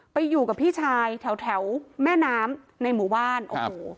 ไปอยู่กับพี่ชายแถวแถวแม่น้ำในหมู่บ้านโอ้โห